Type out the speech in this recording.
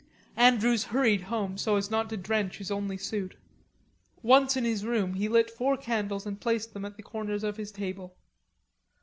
Andrews hurried home so as not to drench his only suit. Once in his room he lit four candles and placed them at the corners of his table.